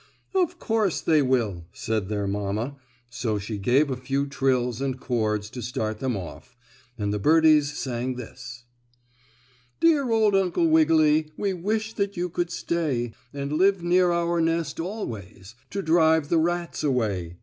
"Of course they will," said their mamma, so she gave a few trills and chords to start them off, and the birdies sang this: "Dear old Uncle Wiggily, We wish that you could stay And live near our nest always, To drive the rats away.